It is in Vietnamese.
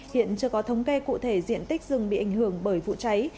hiện chưa có thống kê cụ thể diện tích rừng bị ảnh hưởng bởi vụ cháy